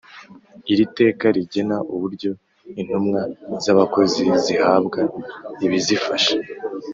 Iri teka rigena uburyo intumwa z’abakozi zihabwa ibizifasha